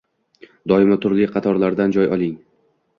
doimo turli qatorlardan joy oling: